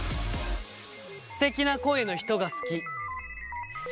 「すてきな声の人が好き」。